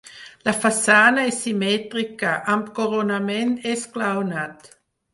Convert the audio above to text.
La façana és simètrica, amb coronament esglaonat.